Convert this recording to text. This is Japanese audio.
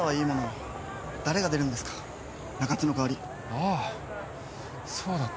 ああそうだった。